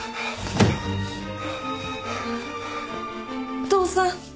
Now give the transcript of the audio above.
お父さん！